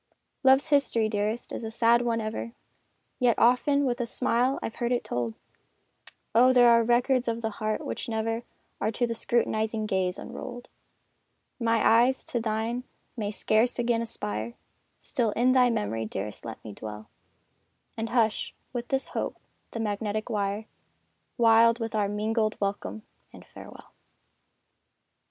Love's history, dearest, is a sad one ever, Yet often with a smile I've heard it told! Oh, there are records of the heart which never Are to the scrutinizing gaze unrolled! My eyes to thine may scarce again aspire Still in thy memory, dearest let me dwell, And hush, with this hope, the magnetic wire, Wild with our mingled welcome and farewell!